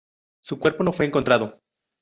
Su cuerpo no fue encontrado.